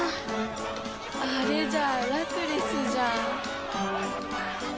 あれじゃラクレスじゃん。